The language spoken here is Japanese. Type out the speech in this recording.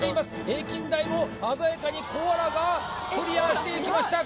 平均台を鮮やかにコアラがクリアしていきました